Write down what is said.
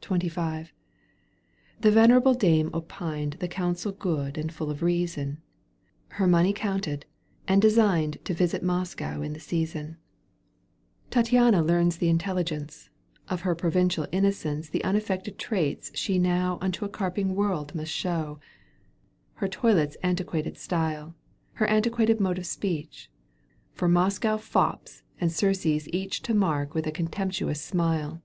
XXV. The venerable dame opined The counsel good and full of reason, Her money counted, and designed To visit Moscow in the season. . Digitized by VjOOQ 1С 202 EUGENE ON^GUmE. canto vir. Tattiana learns the intelligence — Of her provincial innocence The unaffected traits she now Unto a carping world must show — Her toilette's antiquated style, Her antiquated mode of speech, For Moscow fops and Circes each To mark with a contemptuous smile.